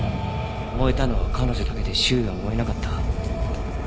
燃えたのは彼女だけで周囲は燃えなかった。